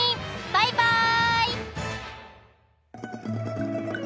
バイバイ！